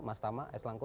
mas tama s langkut